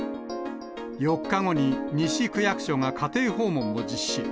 ４日後に西区役所が家庭訪問を実施。